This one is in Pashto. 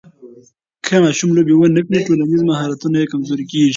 که ماشوم لوبې ونه کړي، ټولنیز مهارتونه یې کمزوري کېږي.